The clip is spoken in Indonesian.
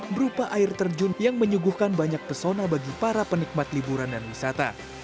berupa air terjun yang menyuguhkan banyak pesona bagi para penikmat liburan dan wisata